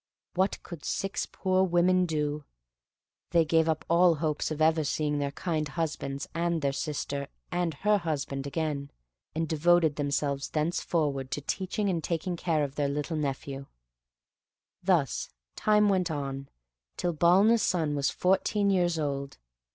What could six poor women do? They gave up all hopes of ever seeing their kind husbands, and their sister, and her husband again, and devoted themselves thenceforward to teaching and taking care of their little nephew. Thus time went on, till Balna's son was fourteen years old.